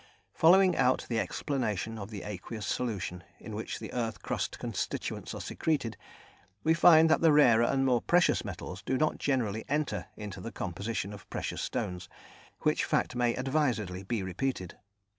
Following out the explanation of the aqueous solution, in which the earth crust constituents are secreted, we find that the rarer and more precious metals do not generally enter into the composition of precious stones which fact may advisedly be repeated.